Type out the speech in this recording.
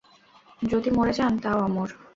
যদি মরে যান, তাও অমর!